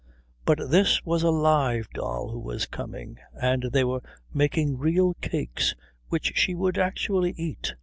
But this was a live doll who was coming, and they were making real cakes which she would actually eat.